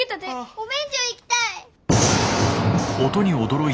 お便所行きたい。